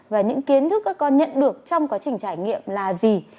và những kiến thức các con nhận được trong quá trình trải nghiệm là gì